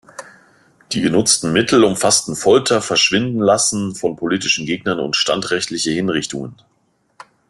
Die genutzten Mittel umfassten Folter, Verschwindenlassen von politischen Gegnern und standrechtliche Hinrichtungen.